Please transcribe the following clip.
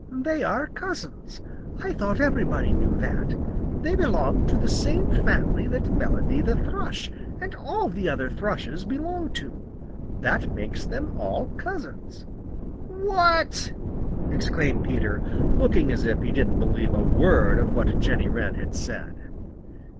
They are cousins. I thought everybody knew that. They belong to the same family that Melody the Thrush and all the other Thrushes belong to. That makes them all cousins." "What?" exclaimed Peter, looking as if he didn't believe a word of what Jenny Wren had said.